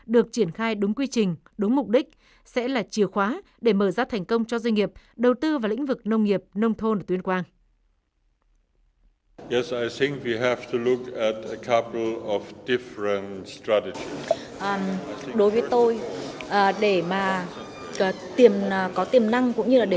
được triển khai đúng quy trình đúng mục đích sẽ là chìa khóa để mở ra thành công cho doanh nghiệp đầu tư vào lĩnh vực nông nghiệp nông thôn tuyên quang